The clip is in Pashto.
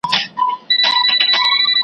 چي پیدا سوه د ماښام ډوډۍ حلاله .